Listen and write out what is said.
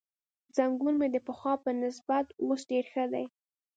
زنګون مې د پخوا په نسبت اوس ډېر ښه دی.